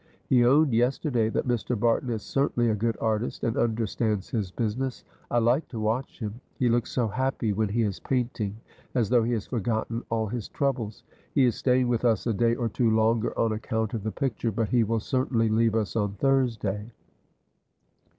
He owned yesterday that Mr. Barton is certainly a good artist, and understands his business. I like to watch him? he looks so happy when he is painting, as though he has forgotten all his troubles; he is staying with us a day or two longer on account of the picture, but he will certainly leave us on Thursday."